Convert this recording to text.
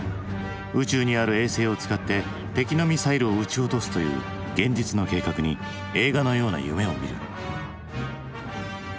宇宙にある衛星を使って敵のミサイルを撃ち落とすという現実の計画に映画のような夢をみる。